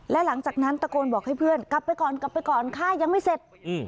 และหลังจากนั้นตะโกนบอกให้เพื่อนกลับไปก่อนกลับไปก่อนฆ่ายังไม่เสร็จ